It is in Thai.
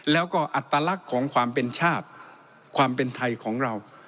แล้วก็อัตลักษณ์ของความเป็นชาติความเป็นไทยของเรา